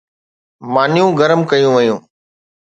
مانيون گرم ڪيون ويون